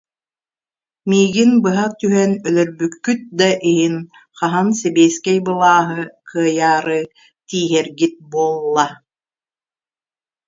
Миигин быһа тутан өлөрбүк- күт да иһин хаһан Сэбиэскэй былааһы кыайаары тииһэргит буолла